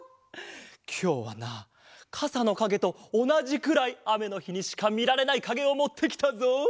きょうはなかさのかげとおなじくらいあめのひにしかみられないかげをもってきたぞ！